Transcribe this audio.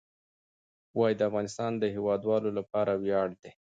وادي د افغانستان د هیوادوالو لپاره ویاړ دی.